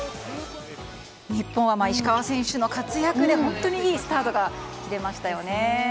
日本は石川選手の活躍で本当にいいスタートが切れましたよね。